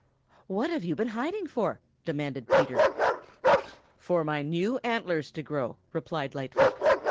"What have you been hiding for?" demanded Peter. "For my new antlers to grow," replied Lightfoot.